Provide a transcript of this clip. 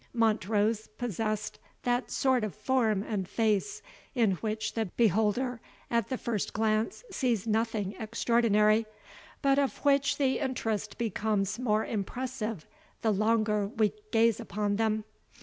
Montrose possessed that sort of form and face, in which the beholder, at the first glance, sees nothing extraordinary, but of which the interest becomes more impressive the longer we gaze upon them.